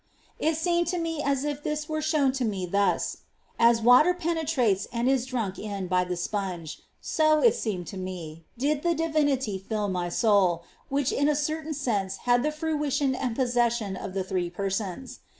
It seemed to me as if this were shown to me thus : as water penetrates and is drunk in by the sponge, so, it seemed to me, did the Divinity fill my soul, which in a certain sense had the fruition and possession of the Three Persons.